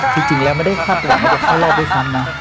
ที่จริงแล้วไม่ได้คาดเหลือไม่ได้เข้าเริ่มด้วยครั้งนะ